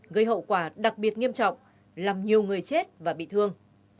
gây hậu quả đặc biệt nghiêm trọng làm nhiều người chết và bị thương